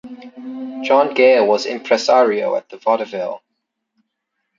John Gale was impresario at the Vaudeville.